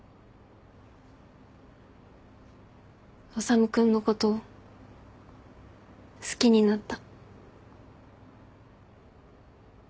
修君のこと好きになった。